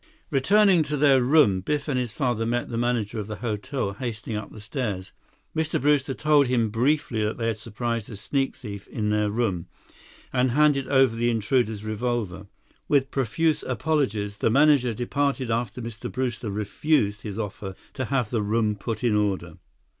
Returning to their room, Biff and his father met the manager of the hotel hastening up the stairs. Mr. Brewster told him briefly that they had surprised a sneak thief in their room, and handed over the intruder's revolver. With profuse apologies, the manager departed after Mr. Brewster refused his offer to have the room put in order.